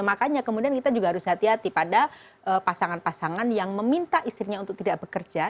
makanya kemudian kita juga harus hati hati pada pasangan pasangan yang meminta istrinya untuk tidak bekerja